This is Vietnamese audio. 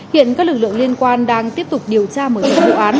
hiện các lực lượng liên quan đang tiếp tục điều tra mở rộng vụ án